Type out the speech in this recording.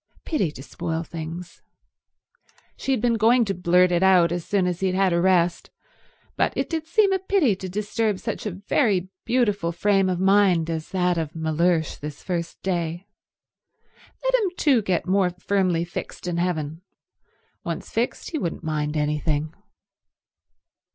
Pity to spoil things. She had been going to blurt it out as soon as he had had a rest, but it did seem a pity to disturb such a very beautiful frame of mind as that of Mellersh this first day. Let him too get more firmly fixed in heaven. Once fixed he wouldn't mind anything.